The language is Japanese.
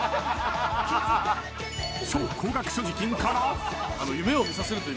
超高額所持金から。